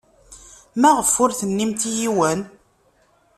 Maɣef ur tennimt i yiwen?